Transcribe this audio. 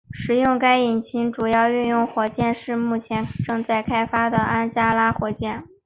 使用该引擎的主要运载火箭是目前正在开发中的安加拉火箭。